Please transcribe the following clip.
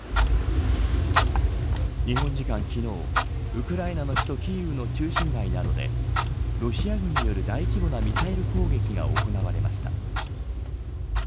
日本時間昨日ウクライナの首都キーウの中心街などでロシア軍による大規模なミサイル攻撃が行われました。